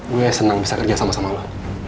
gue senang bisa kerja sama sama lo